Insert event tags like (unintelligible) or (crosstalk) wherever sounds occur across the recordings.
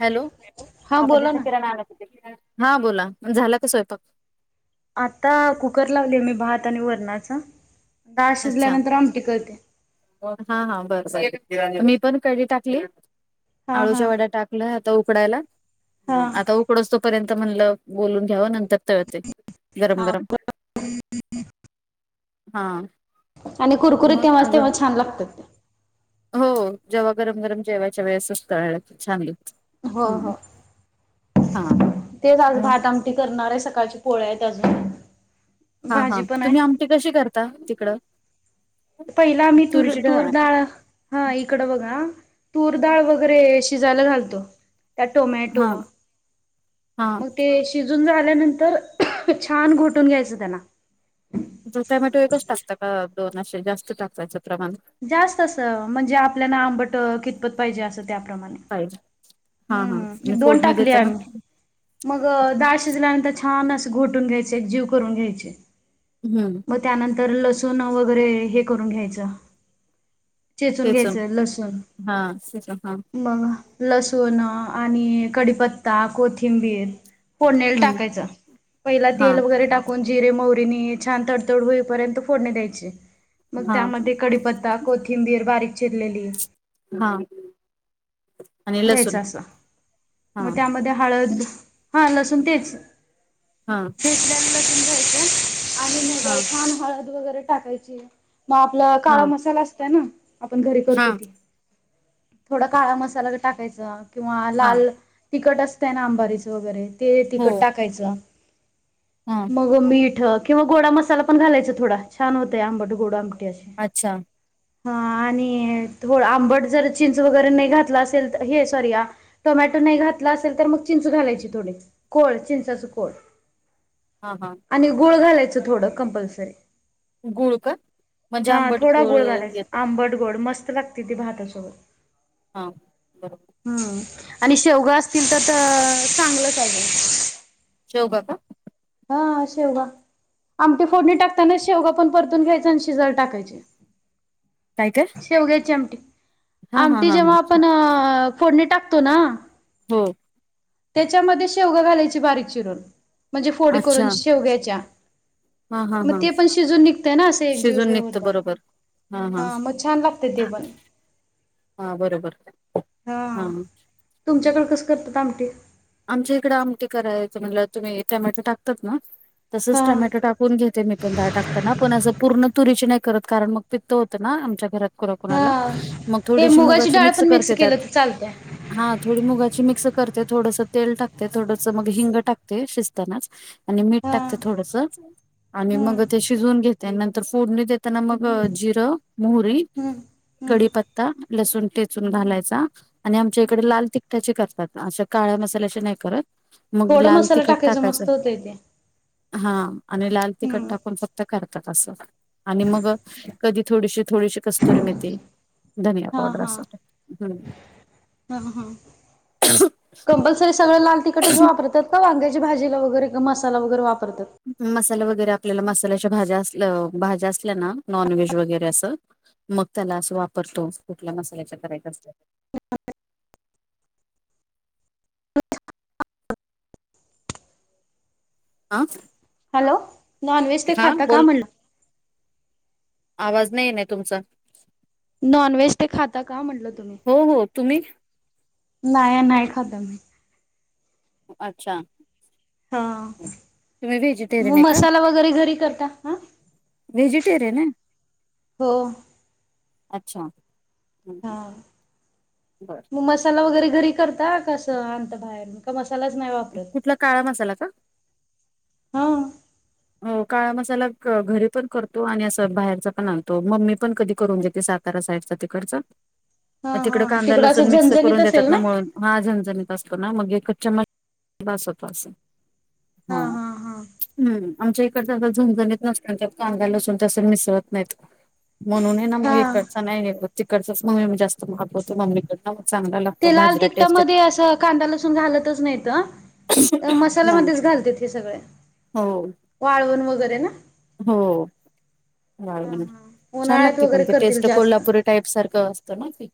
Hello, हा आपण बोला जिथनं ना. किराणा आणला तिथे. हां, बोला, झाला का स्वयपाक? आता कुकर लावली मी भात आणि वरणाच दाळ शिजल्यानंतर आमटी करते. हां, हा, बर बरं, मी पण कढी टाकली, हा हा आळूच्या वड्या टाक ल, आता उकडायला, हा. आता उकडोस तोपर्यंत म्हणलं बोलून घ्याव, नंतर तळते, गरम गरम हां. आणि कुरकुरीत तेव्हाच तेव्हा छान लागतात ते. हो, जेव्हा गरम गरम जेवायच्या वेळेसच तळल्या की छान लागते. हो हो, हा तेच आज मग भात आम टी करणार आहे, सकाळची पोळ्या आहेत अजून. हां, हा, भाजी पण तुम्ही आहे आमटी कशी करता तिकडं? पहिलं आम्ही तुर तुरीची डाळ तूरडाळ अ हा, इकडं बघा, तूर डाळ वगैरे शिजायला घालतो. त्यात टोमॅटो, हा हा मग ते शि- शिजून झाल्यानंतर छान घोटून घ्यायचं त्याला. जर टोमॅटो एकच टाकता का दोन, असे जास्त टाकतायचं प्रमाण? जास्त असं म्हणजे आपल्याला आंबट कितपत पाहिजे, असं त्याप्रमाणे. पाहिजे, हा हा, आणि हम्म दोन फोडणी टाकले देताना? आम्ही मग दाळ शिजल्यानंतर छान असं घोटून घ्यायचे, एक जीव करून घ्यायचे. हम्म. मग त्यानंतर लसूण वगैरे हे करून घ्यायचं. चेचून ठेचून घ्यायचं लसूण. हा ठेचून हा मग लसूण आणि कढीपत्ता, कोथिंबीर. फोडनीला हम्म टाकायचं, पहिला हा तेल वगैरे टाक कोण जिरे, मोहरी नी छान तडतड होईपर्यंत फोडनी द्यायची, मग हा त्यामध्ये कडीपत्ता, कोथिंबीर बारीक चिरलेली हा. आणि घ्यायच लसूण असं, हा मग त्यामध्ये हळद हा लसूण तेच हा. (unintelligible) घ्यायचं आणि मग हा. छान हळद वगैरे टाकायची, मग आपलं काळा हा मसाला असतय ना आपण घरी हा करतो ती, थोडा काळा मसाला टाकायचा किंवा हा लाल तिकट असतंय ना अंबारीच वगैरे ते हो तिकट टाकायचं. हा. हो मीठ किंवा गोडा मसाला पण घालायच थोडा छान होत आंबट, गोड आमटी अस. अच्छा ह आणि थोडं आंबट जर चिंच वगैरे नाही घातला असेल, तर हे सॉरी टोमॅटो नाही घातला असेल, तर मग चिंच घालायची थोडी कोळ चिंचाच कोळ. हा हा. आणि गुळ घालायचं थोडं कंपल्सरी. गुळ का म्हणजे हा आंबट थोडा गुळ गोड घालायचा येत- आंबट गोड मस्त लागते ती भातासोबत. हा बर. हम्म, आणि शेवगा असतील, तर चांगलंच आहे मग. शेवगा का? हा शेवगा आमटी फोडणी टाकतानाच शेवगा पण परतून घ्यायच आणि शिजायला टाकायची. (unintelligible) काय? काय? शेवग्याची आमटी. हा हा आमटी हा हा जेव्हा आपण फोडणी टाकतो ना हो. त्याच्यामध्ये शेवगा घालायचे बारीक चिरून म्हणजे फोडी करून अच्छा शेवग्याच्या. हा हा मग हा ते पण शिजून निघतय ना, असे एकजीव शिजून हे होत. निघतं बरोबर हा मग छान लागतय ते पण. हा बरबर, हा. तुमच्याकड कसं करतेत आमटी? आमच्या इकडं आमटी करायचं म्हटल, तुम्ही टोमॅटो टाकतात ना तसच हा टोमॅटो टाकून घेते मी डाळ टाकताना पण असं पूर्ण तुरीची नाही करत कारण मग पित्त होतं ना आमच्या घरात कोणा कोणाला, हा मग हे थोडीशी मुगाची डाळ मिक्स पण करते त्यात. केलं तर चालतय. हा थोडी मुगाची मिक्स करते, थोडंस तेल टाकते, थोडस मग हिंग टाकते शिजतानाच आणि मीठ हा टाकते थोडस आणि मग हम्म ते शिजवून घेत त्यानंतर फोडणी देताना मग जिरं, मोहरी हम्म हम्म कढीपत्ता, लसूण टेचून घालायचा आणि आमच्या इकडे लाल तिकटाची करतात, अशा काळ्या मसाल्याची नाही करत मग थोडं लाल मसाला तिखट टाकायचं मस्त होतय ते. हा आणि लाल तिखट हम्म टाकून फक्त करतात असं आणि मग कधी थोडीशी थोडीशी कस्तुरी मेथी धनिया हा पावडर हा अस ह हा कंपल्सरी सगळं लाल तिखटच वापरतात का वांग्याच्या भाजीला वगैरे मसाला वगैरे वापरतात? मसाला वगैरे आपल्याला मसाल्याच्या भाज्या असल भाज्या असल्या ना नॉन व्हेज वगैरे असं मग त्याला असं वापरतो. कुठल्या मसाल्याच्या करायच्या असल्याव. आ? हॅलो. नॉनव्हेज ते हा खाता का बोल, म्हणलं? आवाज नाय येईना तुमचा. नॉन व्हेज ते खाता का म्हटलं तुम्ही? हो हो, तुम्ही? नाय नाय खाता आम्ही. अच्छा. हा, तुम्ही व्हेजिटेरियन म आहे का मसाला वगैरे घरी करता आ? व्हेजिटेरियन आय? हो. अच्छा. हा बर म मसाला वगैरे घरी करता का अस आणता बाहेरन? मसालाच नाय वापरत. कुठला काळा मसाला का? हा हो काळा मसाला घरी पण करतो आणि असं बाहेरचा पण आणतो मम्मी पण कधी करून देते सा तारा साईडचा तिकडच, हा म तिकड हा कांदा तिकडं लसून असं मिक्स झणझणीत करून देतात असेल ना मळून हा झणझणी असतो ना मग एकच चम्मच बास होतो असं हा. हम्म. आमच्या इकडचं आस झणझणीत नसत त्यात कांदा लसूून अस मिसळत नायत, म्हणून हाय ना मग हा इकडचं नाय घेतो तिकडचाच मग आम्ही जास्त मागवतो मम्मी कडनं चांगला ला ते लाल तिकटामध्ये असं कांदा लसून घालतच नायत. येते त नाही मसाल्यामध्येच घालत्यात की सगळे हो वाळून वगैरे ना? हो हा छान उन्हाळ्यात लागते पण वगैरे ती करतील टेस्ट जास्त कोल्हापूरी टाईप सारखं असतं ना ते.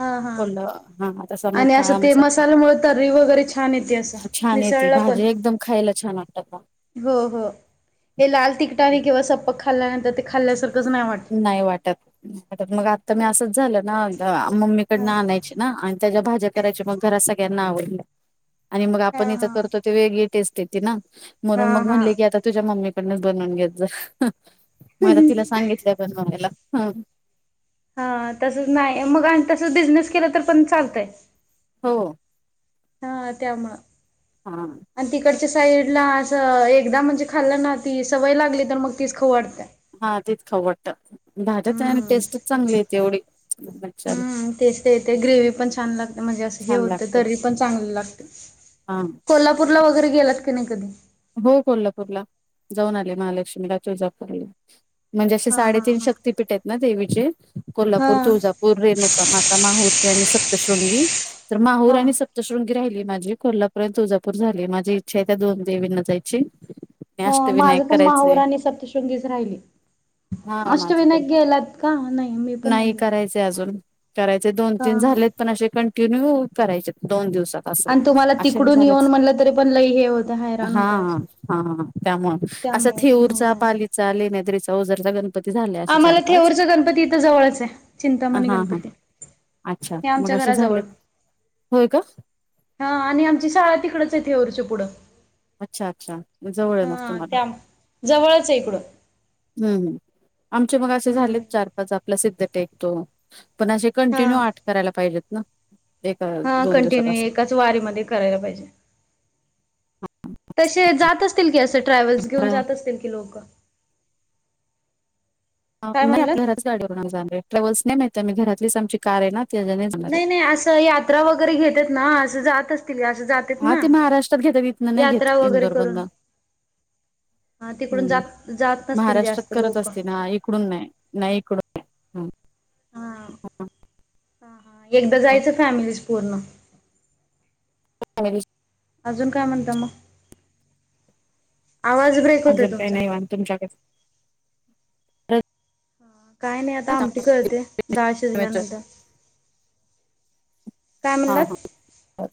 हा हा कोल्हा हा तसा मग आणि असं काळा ते मसाला मसाल्यामुळे तर्री वगैरे छान येते असं. छान येते मिसळला पण भाजी एकदम खायला छान वाटत म. हो हो हे लाल तिकटाने किंवा सप्पक खाल्ल्यानंतर ते खाल्ल्यासारखंच नाय वाट नाय वाटत वाटत मग आत्ता मी असंच झालं ना हा मम्मीकडनं आणाय ची ना अन् त्याच्या भाज्या करायची मग घर सगळ्यांना आवडल्या आणि मग आपण हा इथं हा करतो ते वेगळी टेस्ट येते ना म्हणून हा मग हा म्हणले की आता तुझ्या मम्मीकडच बनवून घेत जा. म आता तिला सांगितलंय बनवायला. हा तसच नाय मग आणि तसच बिझनेस केला तर पण चालतंय. हो. हा त्यामुळ. हा. आण तिकडच्या साईडला असं एकदा म्हणजे खाल्लं ना ती सवय लागली तर मग तीच खाऊ वाटतिया. हा तेच खाऊ वाटतं भाज्या तयार हम्म टेस्टच चांगली येते एवढी. छान हम्म, तेच तेच ते ग्रेवी पण छान लागते म्हणजे असं हे होतं करी पण चांगल लागत. हां. कोल्हापूरला वगैरे गेलात का नाय कधी? हो कोल्हापूरला जाऊन आले महालक्ष्मीला, तुळजापूरला. म्हणजे असे हा हा साडेतीन हा शक्ततीपीठं येत ना देवीचे हा कोल्हापूर तुळजापूर रेणु माता, माहुरतीे आणि सप्तशृंगी. तर माहूर हा. आणि सप्तशृंगी राहिलीय माझी कोल्हापुरयंत तुळजापूर झाली माझी इच्छाये त्या दोन देवींना जायची अष्टविनायक माझं पण करायचे माहोर आणि सप्तशृंगीच राहिली. हा माझे पण अष्टविनायक गेलात का नाही मी पण नाही गेली. चय अजून करायचय दोन तीन हा झालेत पण असे कंटिन्यू करायचेत दोन दिवसात असं आण तुम्हाला असे तिकडून झालंच येऊन म्हणलं तरी पण लई हे होत. हा हा हा हा ह त्यामुळं असं त्यामुळेच थेऊरचा, हा. पालीचा, लेण्याद्रीचा, उजरचा गणपती झाले असे आम्हाला चार पाच थेऊरचा गणपती इथं जवळच आहे. हा चिंतामणी हा गणपती. अच्छा हे मग आमच्या असं झालं घराजवळ होय का हा आणि आमची शाळा तिकडच आहेे थेऊरच्या पुढं अच्छा- अच्छा जवळ आहे मग हा तुम्हाला. त्या जवळच आहे इकडून. हम् आमचे मग असे हम्म झालेत चार पाच आपला सिद्ध टेक तो पण असे हा कंटिन्यू आठ करायला पाहिजेत ना एक दोन दिवसात असं तवारीमध्ये करायला पाहिजे. तसे जात असतील की असं ट्रॅव्हल्स घेऊन जात असतील की लोक काय नाही म्हणलं आपल्या घरात गाडी होणार जाणार आहे ट्रॅव्हल्स नाही माहित आहे मी घरातलीच आमची कार आहे ना त्यानेच नाय नाई असं यात्रा वगैरे घेतेत ना असं जात असतील असं जात हा ते महाराष्ट्रात घेतात इथनं नाही घेत वगैरे इंदोर मधन करून हा तिकडून हम्म जात जात नसतील महाराष्ट्रात जास्त करत लोक असतील ना इकडून नाय. नाही इकडून. ह हा एकदा मग जायचं फॅमिलीच पूर्ण (inaudible) अजून काय म्हणता मग, आवाज ब्रेक होतोय अजून काय तुमचा नाही, निवांत तुमच्याकड काय नाही आता आमटी करते डाळ येतोय शिजल्यानंतर काय हा म्हणलात हा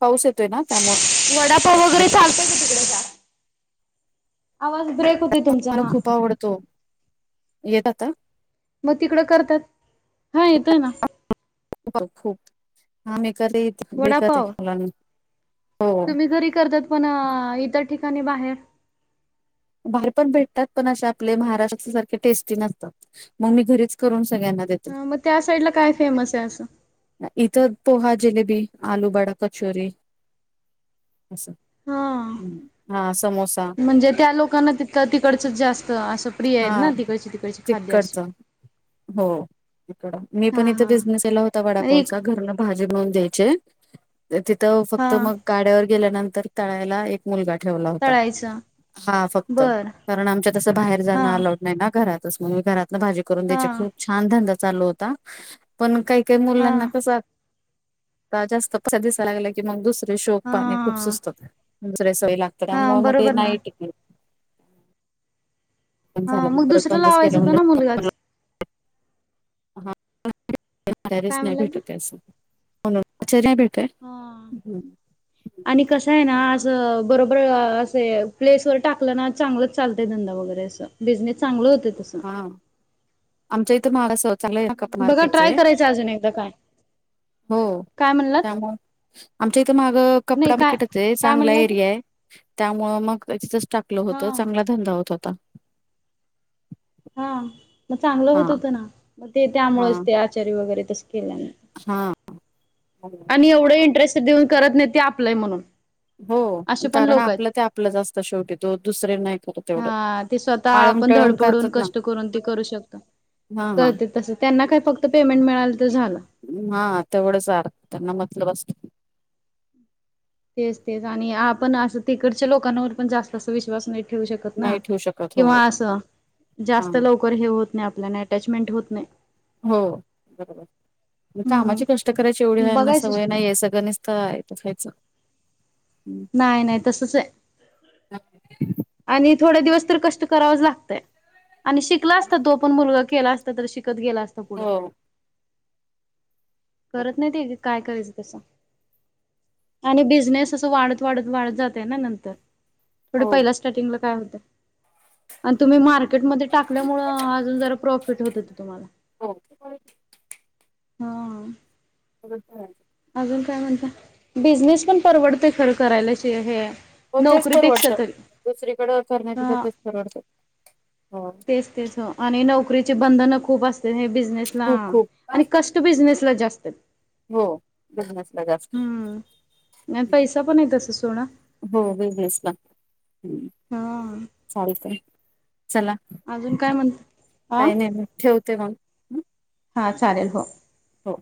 पाऊस येतोय ना त्यामुळे वडापाव वगैरे चालतय का तिकडे का आवाज ब्रेक होतोय. मला खूप आवडतो येत आता मग तिकडं करतात हा येतोय ना. खूप हामे करते बेकते वडापाव मुलांना (unintelligible) हो तुम्ही घरी करतात पण इतर ठिकाणी बाहेर बाहेर पण भेटतात पण असे आपले महाराष्ट्राच्या सारखे टेस्टी नसतात मग मी घरीच करून सगळ्यांना देते हा मग त्या साईड ला काय फेमस आहे असं. इथं पोहा, जिलेबी, आलू बडा, कचोरी अस हा हा समोसा म्हणजे त्या लोकांना तिथं तिकडचंच जास्त असं प्रिय हा आहेत ना तिकडचे तिकडचे खाद्य अस तिकडचं हो इकड मी पण हा इथ हा बिझनेसला होता वडा एक घरन भाजी बनवून द्यायचे तिथ हा फक्त मग गाड्यावर गेल्यानंतर तळायला एक मुलगा ठेवला होता तळायचं हा फक्त बर कारण आमच्या तस बाहेर जाणं हा अलाऊड नाही ना घरातच मग मी घरातन भाजी करून हा द्यायची खूप छान धंदा चालू होता पण काही काही हा मुलांना कसं जास्त दिसायला लागलं की मग दुसरे शोक हा पाणी खूप सुस्त. दुसरे सोई लागतात हा त्यामुळ मग ते बरोबर ना नाईट. पण हा झालं मग परत दुसरं कस केलं लावायचं होतं म्ह ना (unintelligible) मुलगाच (unintelligible) हच काय नाही म्हणला तर भेटत असं. हो आचर नाही भेट हा (unintelligible) (inaudible) आणि कसं आहे ना असं बरोबर असे प्लेसवर टाकलं ना चांगलंच चालतंय धंदा वगैरे असं. बिझनेस चांगलं होत तस. ह आमच्या इथे महाराष्ट चांगला कप बघा मार्केटचे ट्राय आहे. करायचं अजून एकदा काय हो, काय म्हणलात त्यामुळे आमच्या इथं मागं नाही कपडा काय (unintelligible) काय चांगला म्हणला तू एरिया आहे. त्यामुळ मग एकच टाकलं हा होत चांगला धंदा होत होता. हा मग चांगलं हा होत होतं ना मग ते हा त्यामुळेच ते आचार्य वगैरे तस केल्याने. हा. (inaudible) आणि एवढं इंटरेस्ट देऊन करत नाही ते आपलाय म्हणून. हो असे पण कारण लोक आहेत आपलं ते आपलंच असत शेवटी तो दुसरे नाही करत एवढं. हा ते स्वतः आपण धडपडून कष्ट करून ते करू शक हा (inaudible) हा कर तस त्यांना काय फक्त पेमेंट मिळाल तर झालं. हा तेवढंचा (unintelligible) त्यांना मटलं बसत. तेच तेच आणि आपण असं तिकडच्या लोकांवर पण जास्त अस विश्वास नाही ठेऊ शकत ना नाही ठेवू शकत हो किंवा असं हा जास्त लोक कोण हे होत नाही आपल्याला अटॅचमेंट होत नाही. हो बरोबर, कामाची हम्म कष्ट करायची एवढी आहेना बघायचं सवय नाही आहे सगळं नसत आहेत. त्याच (inaudible) हम्. नाही नाही तसंच आहे. आणि थोड्या दिवस तर कष्ट करावच लागतय आणि शिकला असता तो पण मुलगा केला असता तर शिक त गेला असत पुढं. हो करत नाही ते काय करायचं तसं. आणि बिझनेस असं वाढत वाढत वाढत जाते ना नंतर. थोड पहिल्या हो स्टार्टिंगला काय होत आणि तुम्ही मार्केटमध्ये टाकल्यामुळ जरा प्रॉफिट होत तुम्हाला. हो. (inaudible) हा. हो. (inaudible) अजून काय म्हणता? बिझनेस पण परवडते खरं करायलाच हे. हो तेच तर नोकरीपेक्षा वर्षात तरी. दुसरीकडेचर (unintelligible) नाही तस हा तेच परवडतात. तेच तेच हा. आणि नोकरीचे बंधन खूप असते हे बिझनेसला खूप खूप आणि कष्ट बिझनेसला जास्त आहे. हो. बिझनेसला जास्त. हम्म आणि पैसा पण आहे तस सोडा. हो बिझनेसला हा चालते चला. अजून काय म्हणत? आ? काही नाही मग ठेवते मग. हं, हा चालेल हो. हो